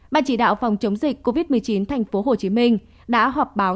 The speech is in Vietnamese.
ban chỉ đạo phòng chống dịch covid một mươi chín tp hcm đã họp báo